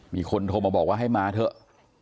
มีคนโทรมาบอกว่าให้มาเถอะ